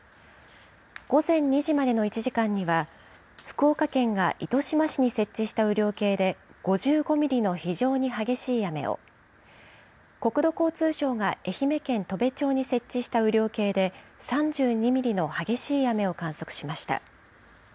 午前２時までの１時間には、福岡県が糸島市に設置した雨量計で、５５ミリの非常に激しい雨を、国土交通省が愛媛県砥部町に設置した雨量計で３２ミリの激しい雨を観測しました。